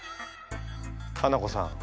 ハナコさん